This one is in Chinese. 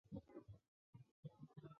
马尔库。